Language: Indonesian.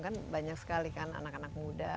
karena itu sudah banyak sekali kan anak anak muda